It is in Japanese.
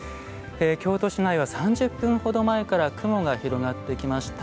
京都市内は３０分ほど前から雲が広がってきました。